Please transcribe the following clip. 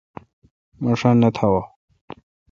مہ ݭا نہ تھاوا۔